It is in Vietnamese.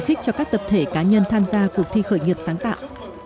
khích cho các tập thể cá nhân tham gia cuộc thi khởi nghiệp sáng tạo